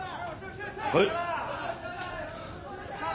はい。